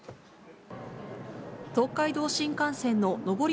東海道新幹線の上り